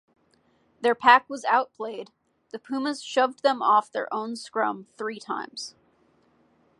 Their pack was outplayed; the Pumas shoved them off their own scrum three times.